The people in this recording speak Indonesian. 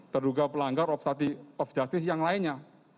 terduga pelanggar oj yang lainnya